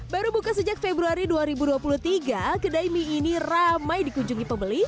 baru buka sejak februari dua ribu dua puluh tiga kedai mie ini ramai dikunjungi pembeli